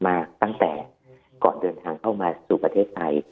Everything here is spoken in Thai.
ตั้งแต่ก่อนเดินทางเข้ามาสู่ประเทศไทย